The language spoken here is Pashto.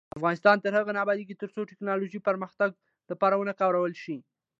افغانستان تر هغو نه ابادیږي، ترڅو ټیکنالوژي د پرمختګ لپاره ونه کارول شي.